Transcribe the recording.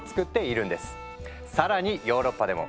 ヨーロッパでも。